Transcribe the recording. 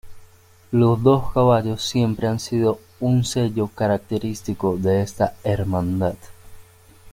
Los dos caballos siempre han sido un sello característico de esta hermandad.